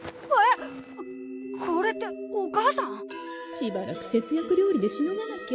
しばらく節約料理でしのがなきゃ。